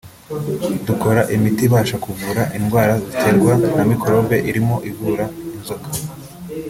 Dukora imiti ibasha kuvura indwara ziterwa na mikorobe irimo ivura inzoka